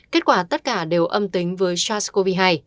kết quả tất cả đều âm tính với sars cov hai